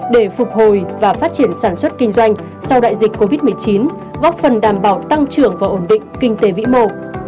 để phục hồi và phát triển sản xuất kinh doanh sau đại dịch covid một mươi chín góp phần đảm bảo tăng trưởng và ổn định kinh tế vĩ mô